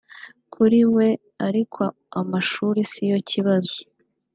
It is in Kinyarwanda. Kuri we ariko amashuri siyo kibazo